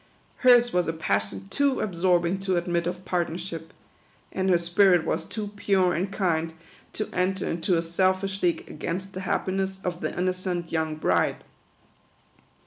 Hers was a passion too absorbing to admit of partnership ; and her spirit was too pure and kind to enter into a selfish league against the happiness of the innocent young bride.